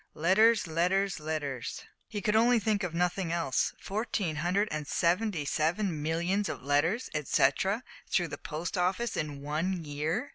"Letters, letters, letters!" He could think of nothing else. "Fourteen hundred and seventy seven millions of letters, etcetera, through the Post Office in one year!"